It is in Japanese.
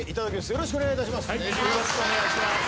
よろしくお願いします。